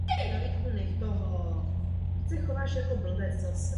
Bylo by to stejně oprávněné a nemožné odůvodnit.